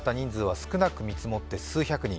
被害に遭った人数は少なく見積もって数百人。